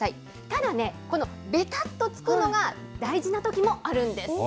ただね、べたっとつくのが大事なときもあるんです。